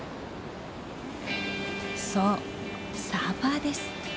そうサーファーです。